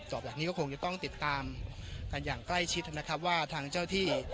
จากนี้ก็คงจะต้องติดตามกันอย่างใกล้ชิดนะครับว่าทางเจ้าที่